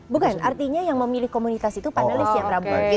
bukan artinya yang memilih komunitas itu panelis yang prabowo